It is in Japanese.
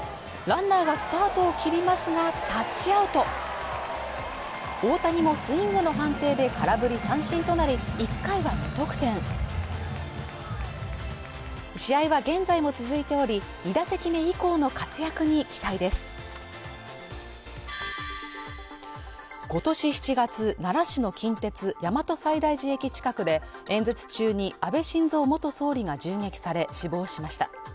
ランナーがスタートを切りますがタッチアウト大谷もスイングの判定で空振り三振となり１回は無得点試合は現在も続いており２打席目以降の活躍に期待です今年７月奈良市の近鉄大和西大寺駅近くで演説中に安倍晋三元総理が銃撃され死亡しました